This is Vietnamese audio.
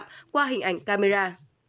phạm qua hình ảnh camera